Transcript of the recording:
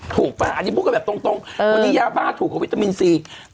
ป่ะอันนี้พูดกันแบบตรงวันนี้ยาบ้าถูกกว่าวิตามินซี